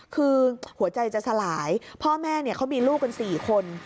คือหัวใจจะสลายพ่อแม่เขามีลูกกัน๔คน